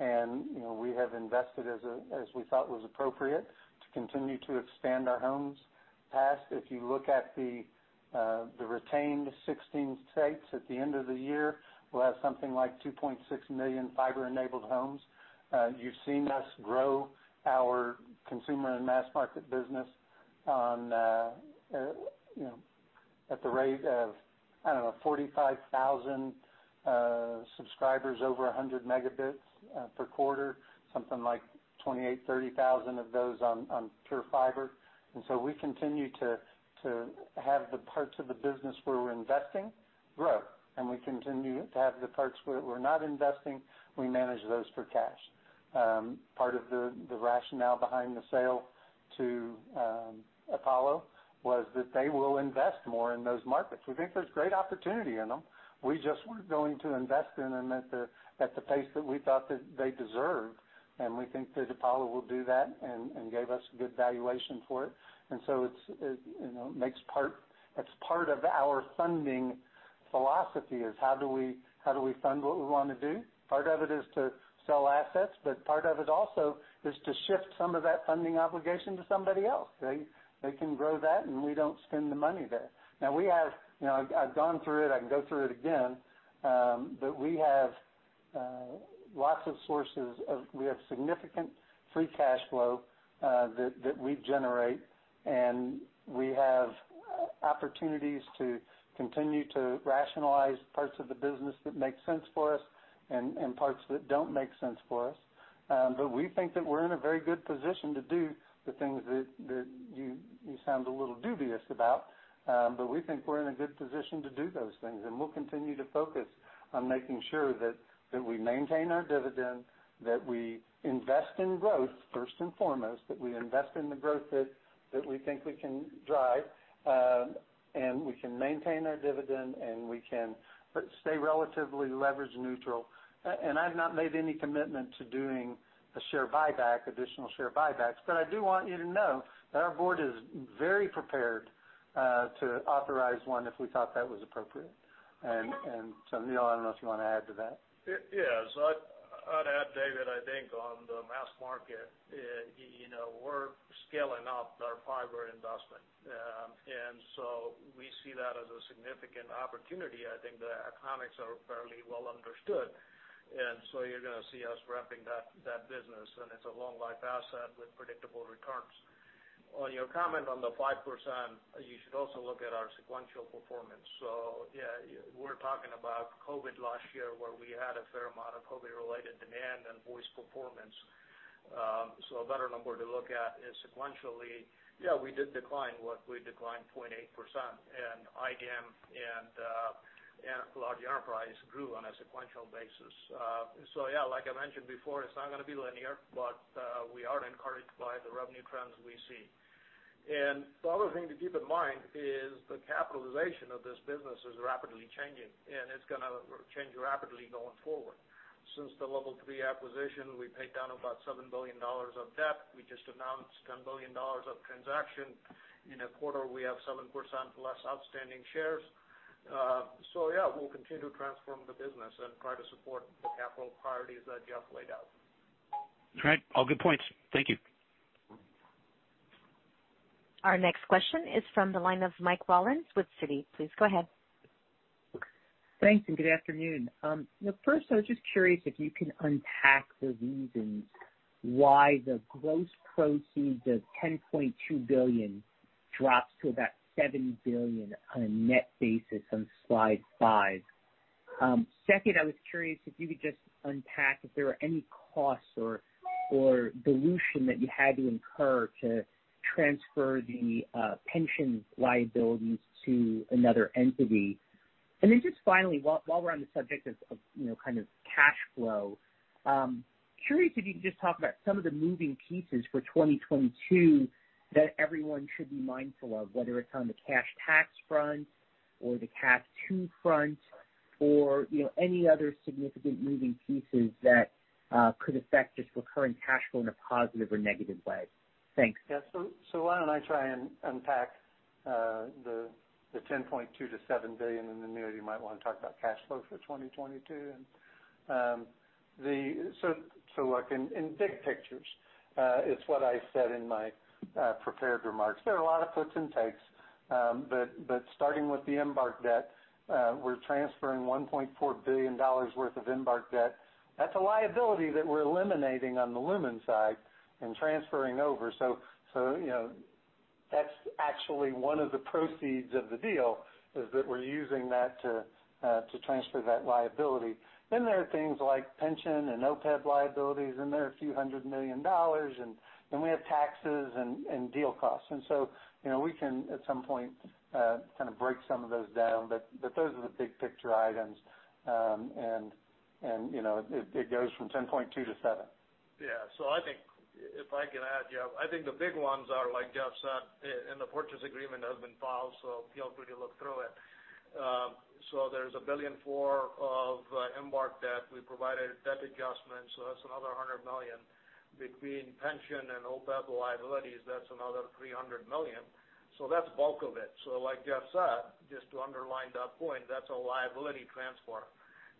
You know, we have invested as we thought was appropriate to continue to expand our homes passed. If you look at the retained 16 states at the end of the year, we'll have something like 2.6 million fiber-enabled homes. You've seen us grow our consumer and mass market business, you know, at the rate of, I don't know, 45,000 subscribers over 100 Mbps per quarter, something like 28,000 subscribers-30,000 subscribers of those on pure fiber. We continue to have the parts of the business where we're investing grow, and we continue to have the parts where we're not investing, we manage those for cash. Part of the rationale behind the sale to Apollo was that they will invest more in those markets. We think there's great opportunity in them. We just weren't going to invest in them at the pace that we thought that they deserved, and we think that Apollo will do that and gave us good valuation for it. It's, you know, part of our funding philosophy, how do we fund what we wanna do? Part of it is to sell assets, but part of it also is to shift some of that funding obligation to somebody else, right? They can grow that, and we don't spend the money there. Now we have, you know, I've gone through it, I can go through it again, but we have significant free cash flow that we generate, and we have opportunities to continue to rationalize parts of the business that make sense for us and parts that don't make sense for us. But we think that we're in a very good position to do the things that you sound a little dubious about. We think we're in a good position to do those things, and we'll continue to focus on making sure that we maintain our dividend, that we invest in growth, first and foremost, that we invest in the growth that we think we can drive, and we can maintain our dividend, and we can stay relatively leverage neutral. I've not made any commitment to doing a share buyback, additional share buybacks, but I do want you to know that our board is very prepared to authorize one if we thought that was appropriate. Neel, I don't know if you wanna add to that. Yeah. I'd add, David, I think on the mass market, you know, we're scaling up our fiber investment. We see that as a significant opportunity. I think the economics are fairly well understood, you're gonna see us ramping that business, and it's a long life asset with predictable returns. On your comment on the 5%, you should also look at our sequential performance. Yeah, we're talking about COVID last year, where we had a fair amount of COVID-related demand and voice performance. A better number to look at is sequentially. Yeah, we did decline. We declined 0.8% in IGAM and large enterprise grew on a sequential basis. Yeah, like I mentioned before, it's not gonna be linear, but we are encouraged by the revenue trends we see. The other thing to keep in mind is the capitalization of this business is rapidly changing, and it's gonna change rapidly going forward. Since the Level 3 acquisition, we paid down about $7 billion of debt. We just announced $10 billion of transaction. In a quarter, we have 7% less outstanding shares. Yeah, we'll continue to transform the business and try to support the capital priorities that Jeff laid out. Right. All good points. Thank you. Our next question is from the line of Michael Rollins with Citigroup. Please go ahead. Thanks, good afternoon. You know, first, I was just curious if you can unpack the reasons why the gross proceeds of $10.2 billion drops to about $7 billion on a net basis on slide five. Second, I was curious if you could just unpack if there were any costs or dilution that you had to incur to transfer the pension liabilities to another entity. Just finally, while we're on the subject of you know kind of cash flow, curious if you can just talk about some of the moving pieces for 2022 that everyone should be mindful of, whether it's on the cash tax front or the cash too front or you know any other significant moving pieces that could affect just recurring cash flow in a positive or negative way. Thanks. Why don't I try and unpack the $10.2 billion-$7 billion, and then, Neel, you might wanna talk about cash flow for 2022. Look, in big picture, it's what I said in my prepared remarks. There are a lot of puts and takes, but starting with the Embarq debt, we're transferring $1.4 billion worth of Embarq debt. That's a liability that we're eliminating on the Lumen side and transferring over. You know, that's actually one of the proceeds of the deal, is that we're using that to transfer that liability. Then there are things like pension and OPEB liabilities, and there are a few hundred million dollars. Then we have taxes and deal costs. You know, we can, at some point, kind of break some of those down. Those are the big picture items. You know, it goes from $10.2 billion-7 billion. Yeah. I think if I can add, Jeff, I think the big ones are like Jeff said, in the purchase agreement that has been filed, so feel free to look through it. There's $1.4 billion of Embarq debt. We provided debt adjustments, so that's another $100 million. Between pension and OPEB liabilities, that's another $300 million. That's bulk of it. Like Jeff said, just to underline that point, that's a liability transfer.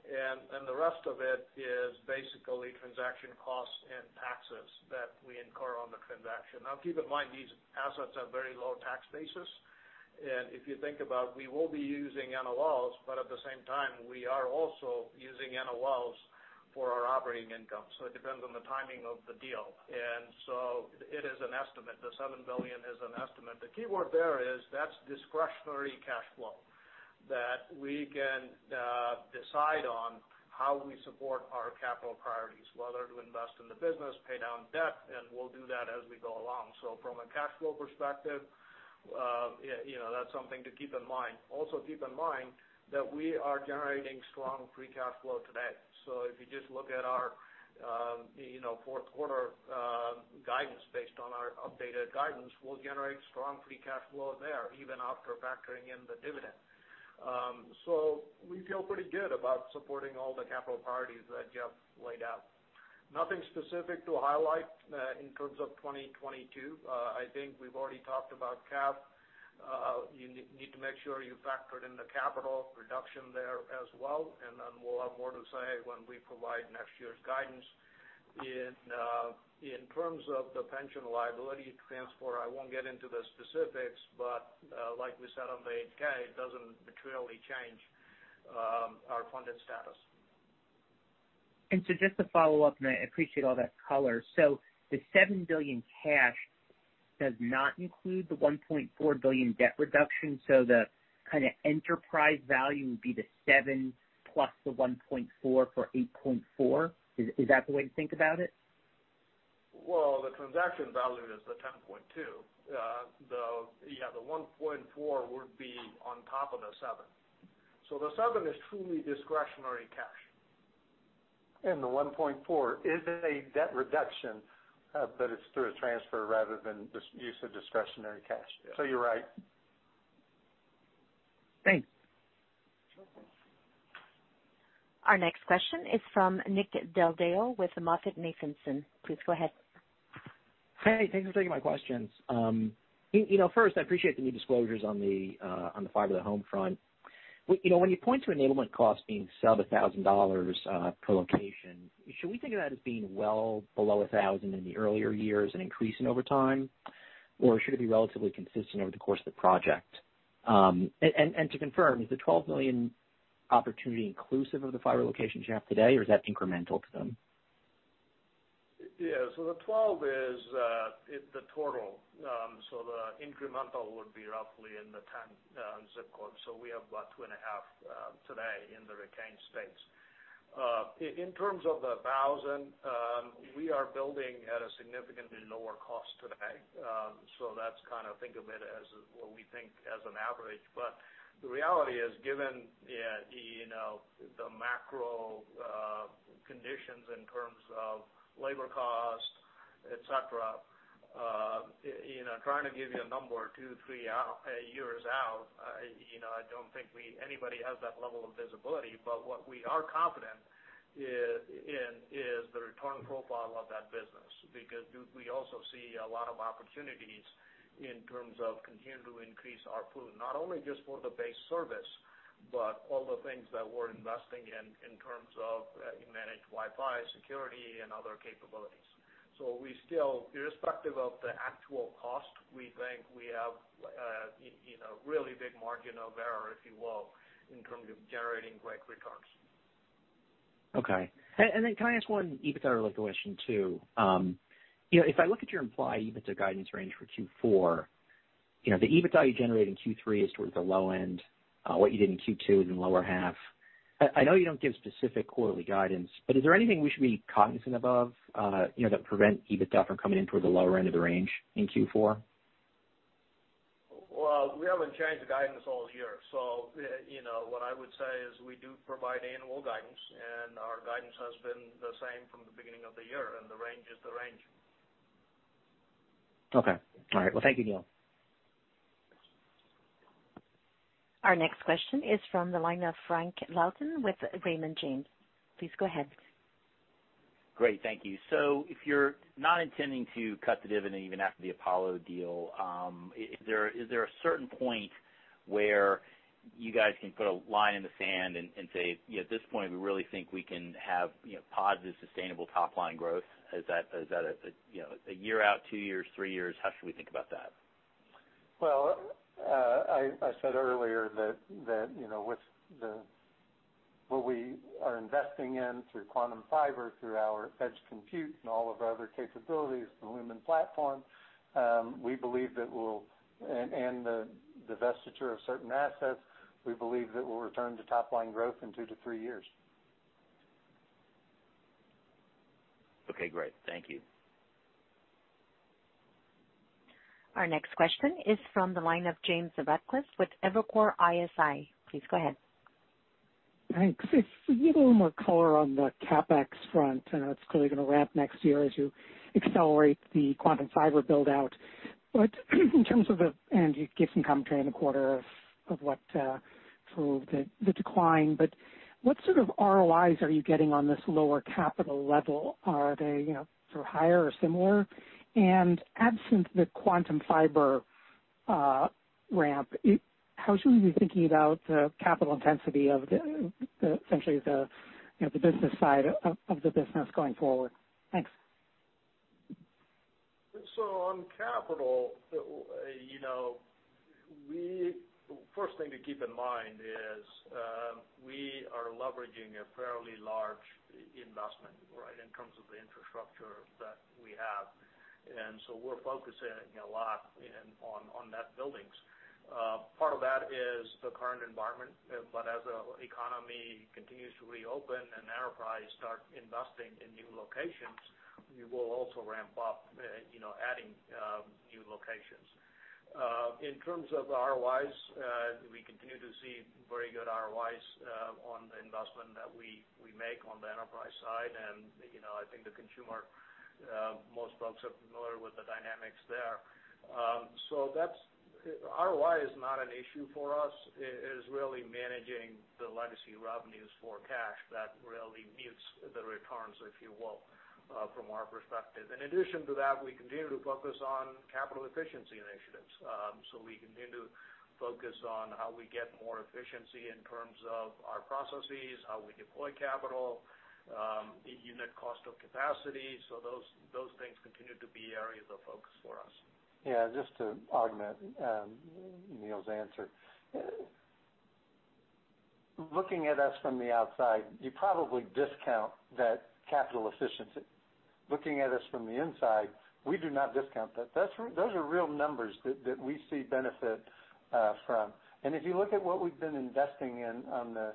And the rest of it is basically transaction costs and taxes that we incur on the transaction. Now keep in mind, these assets have very low tax basis. If you think about we will be using NOLs, but at the same time, we are also using NOLs for our operating income. It depends on the timing of the deal. It is an estimate. The $7 billion is an estimate. The keyword there is that's discretionary cash flow that we can decide on how we support our capital priorities, whether to invest in the business, pay down debt, and we'll do that as we go along. From a cash flow perspective, you know, that's something to keep in mind. Also, keep in mind that we are generating strong free cash flow today. If you just look at our, you know, fourth quarter guidance based on our updated guidance, we'll generate strong free cash flow there, even after factoring in the dividend. We feel pretty good about supporting all the capital priorities that Jeff laid out. Nothing specific to highlight in terms of 2022. I think we've already talked about cap. You need to make sure you factor in the capital reduction there as well. Then we'll have more to say when we provide next year's guidance. In terms of the pension liability transfer, I won't get into the specifics, but like we said on the 8-K, it doesn't materially change our funded status. Just to follow up, and I appreciate all that color. The $7 billion cash does not include the $1.4 billion debt reduction. The enterprise value would be the $7 billion+ the $1.4 billion for $8.4 billion. Is that the way to think about it? Well, the transaction value is $10.2 billion. The $1.4 billion would be on top of the $7 billion. The $7 billion is truly discretionary cash. The $1.4 billion is a debt reduction, but it's through a transfer rather than use of discretionary cash. Yeah. You're right. Thanks. Our next question is from Nick Del Deo with MoffettNathanson. Please go ahead. Hey, thanks for taking my questions. You know, first, I appreciate the new disclosures on the fiber to the home front. You know, when you point to enablement costs being sub-$1,000 per location, should we think of that as being well below $1,000 in the earlier years and increasing over time? Or should it be relatively consistent over the course of the project? To confirm, is the 12 million opportunity inclusive of the fiber locations you have today, or is that incremental to them? Yeah. The 12 million opportunities is the total. The incremental would be roughly in the 10 zip codes. We have about 2.5 today in the retained states. In terms of the sub-$1,000, we are building at a significantly lower cost today. That's kind of think of it as what we think as an average. But the reality is, given you know, the macro conditions in terms of labor cost, et cetera, you know, trying to give you a number two, three years out, you know, I don't think anybody has that level of visibility. But what we are confident in is the return profile of that business. Because we also see a lot of opportunities in terms of continuing to increase our pool, not only just for the base service, but all the things that we're investing in terms of, managed Wi-Fi, security, and other capabilities. We still, irrespective of the actual cost, we think we have, you know, really big margin of error, if you will, in terms of generating great returns. Can I ask one EBITDA related question too? You know, if I look at your implied EBITDA guidance range for Q4, you know, the EBITDA you generate in Q3 is towards the low end. What you did in Q2 is in lower half. I know you don't give specific quarterly guidance, but is there anything we should be cognizant about, you know, that prevent EBITDA from coming in toward the lower end of the range in Q4? Well, we haven't changed the guidance all year. You know, what I would say is we do provide annual guidance, and our guidance has been the same from the beginning of the year, and the range is the range. Okay. All right. Well, thank you, Neel. Our next question is from the line of Frank Louthan with Raymond James. Please go ahead. Great, thank you. If you're not intending to cut the dividend even after the Apollo deal, is there a certain point where you guys can put a line in the sand and say, "At this point, we really think we can have, you know, positive, sustainable top line growth"? Is that a, you know, a year out, two years, three years? How should we think about that? Well, I said earlier that, you know, with what we are investing in through Quantum Fiber, through our edge compute and all of our other capabilities, the Lumen platform, and the divestiture of certain assets, we believe that we'll return to top line growth in two to three years. Okay, great. Thank you. Our next question is from the line of James Ratcliffe with Evercore ISI. Please go ahead. Thanks. If you could give a little more color on the CapEx front, I know it's clearly gonna ramp next year as you accelerate the Quantum Fiber build-out. In terms of the decline, and you gave some commentary in the quarter of what sort of decline, but what sort of ROIs are you getting on this lower capital level? Are they, you know, sort of higher or similar? Absent the Quantum Fiber ramp, how should we be thinking about the capital intensity of the essentially, you know, the business side of the business going forward? Thanks. On capital, first thing to keep in mind is we are leveraging a fairly large investment, right? In terms of the infrastructure that we have. We're focusing a lot on net buildings. Part of that is the current environment, but as the economy continues to reopen and enterprises start investing in new locations, we will also ramp up adding new locations. In terms of ROIs, we continue to see very good ROIs on the investment that we make on the enterprise side. I think the consumer most folks are familiar with the dynamics there. ROI is not an issue for us. It is really managing the legacy revenues for cash that really mutes the returns, if you will, from our perspective. In addition to that, we continue to focus on capital efficiency initiatives. We continue to focus on how we get more efficiency in terms of our processes, how we deploy capital, the unit cost of capacity. Those things continue to be areas of focus for us. Yeah, just to augment Neel's answer. Looking at us from the outside, you probably discount that capital efficiency. Looking at us from the inside, we do not discount that. Those are real numbers that we see benefit from. If you look at what we've been investing in on the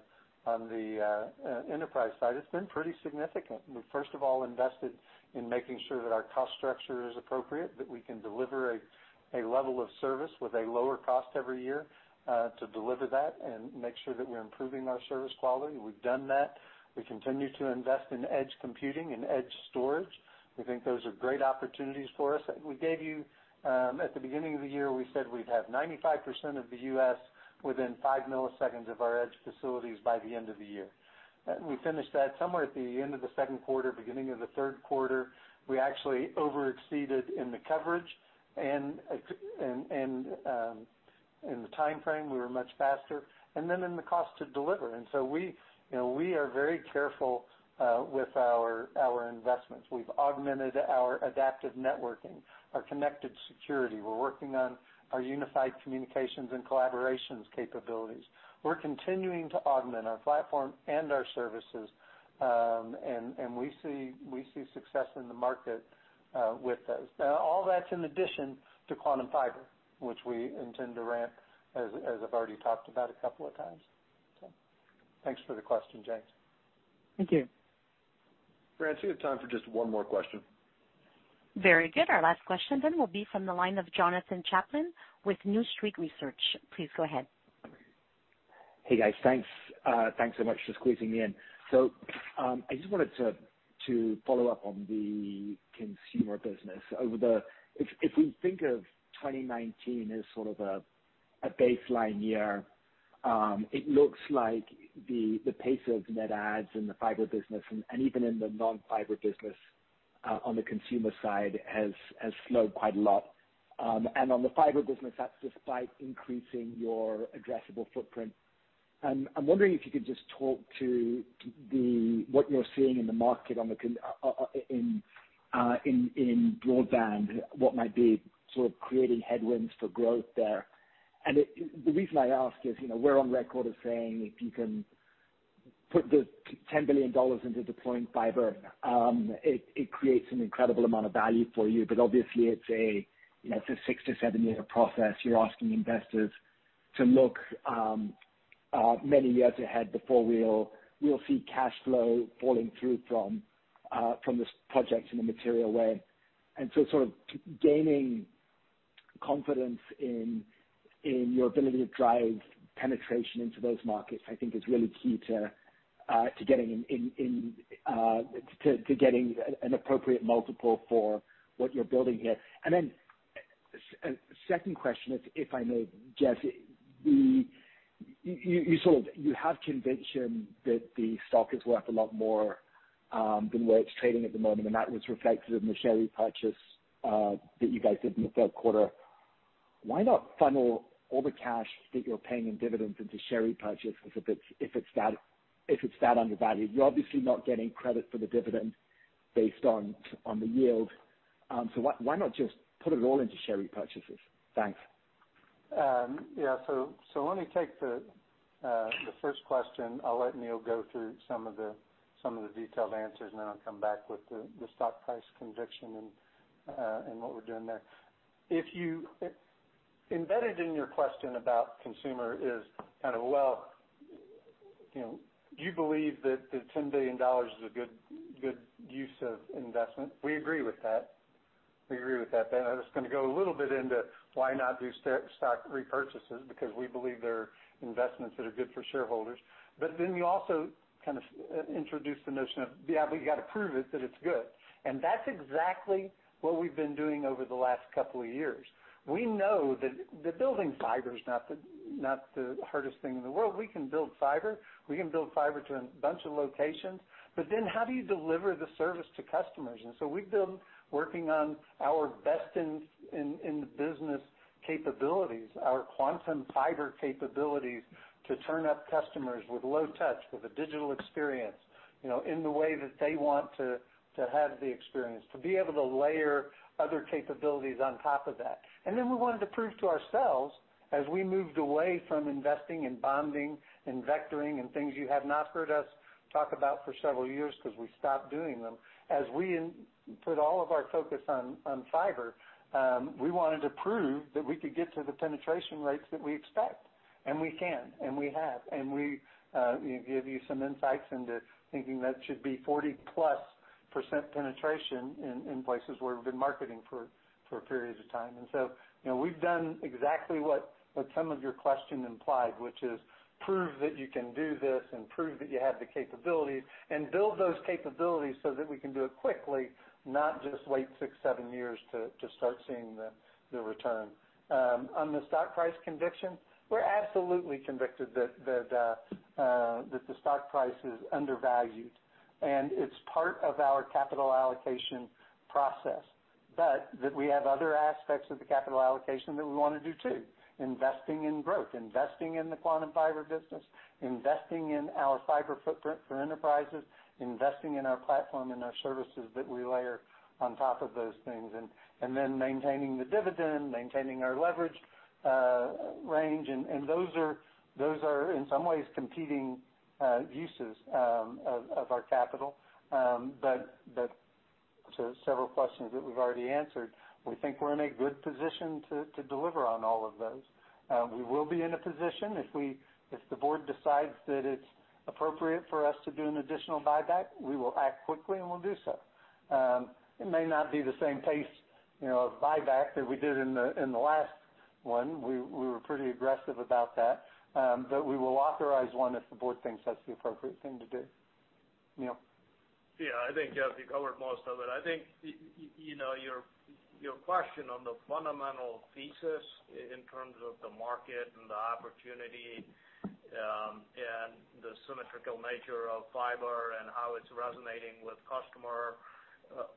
enterprise side, it's been pretty significant. We first of all invested in making sure that our cost structure is appropriate, that we can deliver a level of service with a lower cost every year to deliver that and make sure that we're improving our service quality. We've done that. We continue to invest in edge computing and edge storage. We think those are great opportunities for us. We gave you at the beginning of the year, we said we'd have 95% of the U.S. within 5 milliseconds of our edge facilities by the end of the year. We finished that somewhere at the end of the second quarter, beginning of the third quarter. We actually overachieved in the coverage and in the timeframe, we were much faster, and then in the cost to deliver. We, you know, we are very careful with our investments. We've augmented our adaptive networking, our connected security. We're working on our unified communications and collaborations capabilities. We're continuing to augment our platform and our services, and we see success in the market with those. Now all that's in addition to Quantum Fiber, which we intend to ramp, as I've already talked about a couple of times. Thanks for the question, James. Thank you. France, we have time for just one more question. Very good. Our last question then will be from the line of Jonathan Chaplin with New Street Research. Please go ahead. Hey, guys. Thanks so much for squeezing me in. I just wanted to follow up on the consumer business. If we think of 2019 as sort of a baseline year, it looks like the pace of net adds in the fiber business and even in the non-fiber business on the consumer side has slowed quite a lot. On the fiber business, that's despite increasing your addressable footprint. I'm wondering if you could just talk to what you're seeing in the market on the consumer in broadband, what might be sort of creating headwinds for growth there? The reason I ask is, you know, we're on record as saying, if you can put the $10 billion into deploying fiber, it creates an incredible amount of value for you. But obviously it's a, you know, it's a six-year to seven-year process. You're asking investors to look many years ahead before we'll see cash flow falling through from this project in a material way. Sort of gaining confidence in your ability to drive penetration into those markets, I think is really key to getting an appropriate multiple for what you're building here. Second question is, if I may, Jeff, the... You have conviction that the stock is worth a lot more than where it's trading at the moment, and that was reflected in the share repurchase that you guys did in the third quarter. Why not funnel all the cash that you're paying in dividends into share repurchases if it's that undervalued? You're obviously not getting credit for the dividend based on the yield, so why not just put it all into share repurchases? Thanks. Yeah. Let me take the first question. I'll let Neel go through some of the detailed answers, and then I'll come back with the stock price conviction and what we're doing there. Embedded in your question about consumer is kind of, well, you know, you believe that the $10 billion is a good use of investment. We agree with that. We agree with that. I'm just gonna go a little bit into why not do stock repurchases, because we believe they're investments that are good for shareholders. Then you also kind of introduce the notion of, yeah, but you got to prove it, that it's good. That's exactly what we've been doing over the last couple of years. We know that building fiber is not the hardest thing in the world. We can build fiber. We can build fiber to a bunch of locations. How do you deliver the service to customers? We've been working on our best in the business capabilities, our Quantum Fiber capabilities, to turn up customers with low touch, with a digital experience, you know, in the way that they want to have the experience, to be able to layer other capabilities on top of that. We wanted to prove to ourselves as we moved away from investing in bonding and vectoring and things you have not heard us talk about for several years because we stopped doing them, as we input all of our focus on fiber, we wanted to prove that we could get to the penetration rates that we expect, and we can, and we have. We give you some insights into thinking that should be 40%+ penetration in places where we've been marketing for periods of time. You know, we've done exactly what some of your question implied, which is prove that you can do this and prove that you have the capability and build those capabilities so that we can do it quickly, not just wait six years to seven years to start seeing the return. On the stock price conviction, we're absolutely convicted that the stock price is undervalued, and it's part of our capital allocation process. That we have other aspects of the capital allocation that we wanna do too, investing in growth, investing in the Quantum Fiber business, investing in our fiber footprint for enterprises, investing in our platform and our services that we layer on top of those things, and then maintaining the dividend, maintaining our leverage range. Those are in some ways competing uses of our capital. To several questions that we've already answered, we think we're in a good position to deliver on all of those. We will be in a position if the board decides that it's appropriate for us to do an additional buyback, we will act quickly, and we'll do so. It may not be the same pace, you know, of buyback that we did in the last one. We were pretty aggressive about that, but we will authorize one if the board thinks that's the appropriate thing to do. Neel. Yeah, I think, Jeff, you covered most of it. I think, you know, your question on the fundamental thesis in terms of the market and the opportunity. The symmetrical nature of fiber and how it's resonating with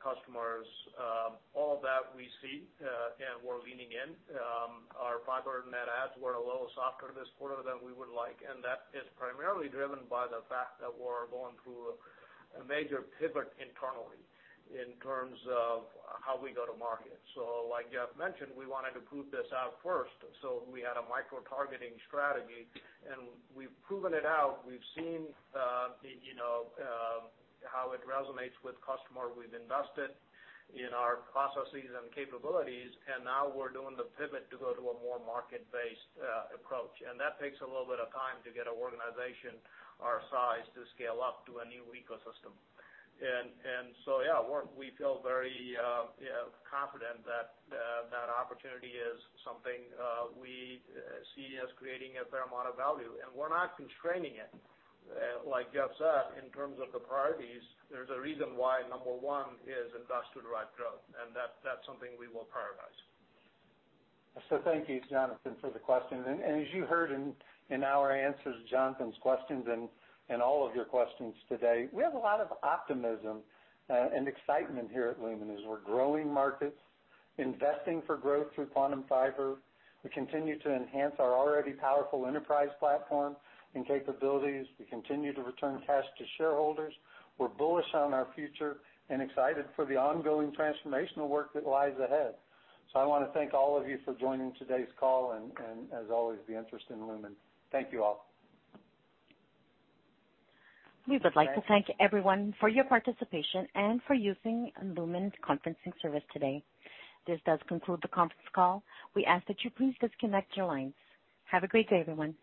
customers, all that we see, and we're leaning in. Our fiber net adds were a little softer this quarter than we would like, and that is primarily driven by the fact that we're going through a major pivot internally in terms of how we go to market. Like Jeff mentioned, we wanted to prove this out first, so we had a micro-targeting strategy, and we've proven it out. We've seen you know how it resonates with customers. We've invested in our processes and capabilities, and now we're doing the pivot to go to a more market-based approach. That takes a little bit of time to get an organization our size to scale up to a new ecosystem. We feel very confident that that opportunity is something we see as creating a fair amount of value. We're not constraining it, like Jeff said, in terms of the priorities. There's a reason why number one is investor-derived growth, and that's something we will prioritize. Thank you, Jonathan, for the question. And as you heard in our answers to Jonathan's questions and all of your questions today, we have a lot of optimism and excitement here at Lumen as we're growing markets, investing for growth through Quantum Fiber. We continue to enhance our already powerful enterprise platform and capabilities. We continue to return cash to shareholders. We're bullish on our future and excited for the ongoing transformational work that lies ahead. I wanna thank all of you for joining today's call and as always, the interest in Lumen. Thank you all. We would like to thank everyone for your participation and for using Lumen's conferencing service today. This does conclude the conference call. We ask that you please disconnect your lines. Have a great day, everyone.